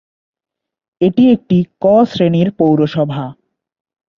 এটি একটি "ক" শ্রেণীর পৌরসভা।